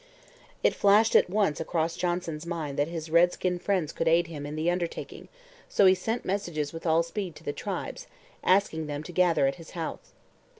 It flashed at once across Johnson's mind that his redskin friends could aid him in the undertaking; so he sent messages with all speed to the tribes, asking them to gather at his house.